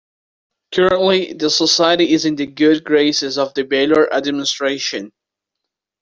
Currently the society is in the good graces of the Baylor Administration.